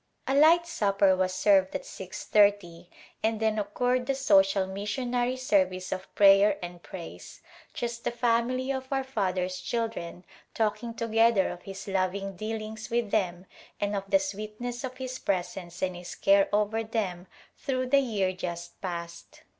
A light supper was served at six thirty and then oc curred the social missionary service of prayer and praise, just a family of our Father's children talk ing together of His loving dealings with them and of the sweetness of His presence and His care over them through the year just past.